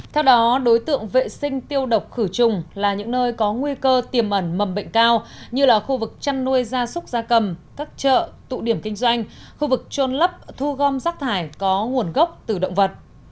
theo đó đối tượng vệ sinh tiêu độc khử trùng là những nơi có nguy cơ tiềm ẩn mầm bệnh cao như là khu vực chăn nuôi gia súc gia cầm các chợ tụ điểm kinh doanh khu vực trôn lấp thu gom rác thải có nguồn gốc từ động vật